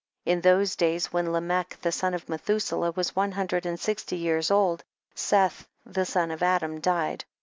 9. In those days when Lamech the son of Methuselah was one hun dred and sixty years old, Seth the son of Adam died.